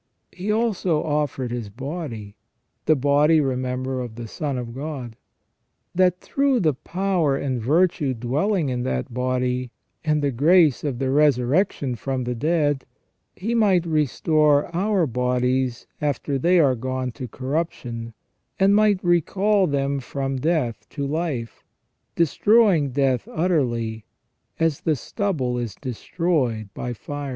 He also offered His body — the body, remember, of the Son of God — that through the power and virtue dwelling in that body, and the grace of the resurrection from the dead, He might restore our bodies after they are gone to corruption, and might recall them from death to life, destroying death utterly, as the stubble is destroyed by fire.